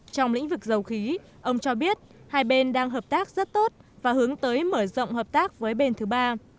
trong lĩnh vực dầu khí ông cho biết hai bên đang hợp tác rất tốt và hướng tới mở rộng hợp tác với bên thứ ba